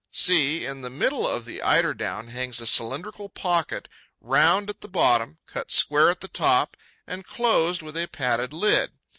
See: in the middle of the eiderdown hangs a cylindrical pocket, round at the bottom, cut square at the top and closed with a padded lid.